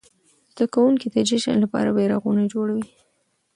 زده کوونکي د جشن لپاره بيرغونه جوړوي.